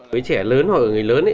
với trẻ lớn hoặc người lớn